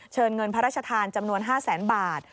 เงินพระราชทานจำนวน๕แสนบาท